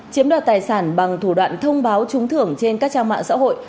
chiếm đoạt tài sản bằng thủ đoạn thông báo trúng thưởng trên các trang mạng xã hội